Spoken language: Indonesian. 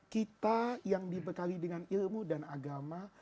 kita yang dibekali dengan ilmu dan agama